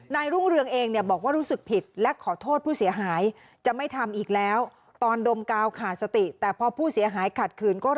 นายรุ้งเรืองเองบอกว่ารู้สึกผิด